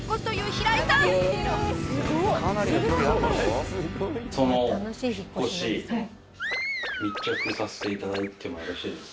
その引っ越し密着させていただいてもよろしいですか？